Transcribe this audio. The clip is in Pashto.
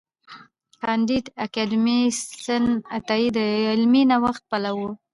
کانديد اکاډميسن عطايي د علمي نوښت پلوي و.